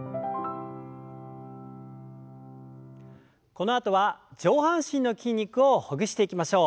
このあとは上半身の筋肉をほぐしていきましょう。